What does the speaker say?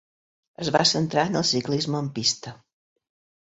Es va centrar en el ciclisme en pista.